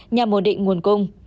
nhằm ổn định nguồn cung